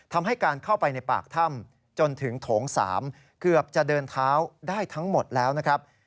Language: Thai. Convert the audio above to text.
ทำให้การเข้าไปในปากถ้ำจนถึงโถง๓เกือบจะเดินเท้าได้ทั้งหมดแล้วนะครับ